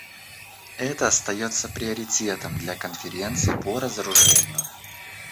Это остается приоритетом для Конференции по разоружению.